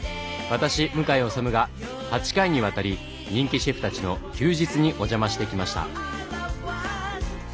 私向井理が８回にわたり人気シェフたちの休日にお邪魔してきました。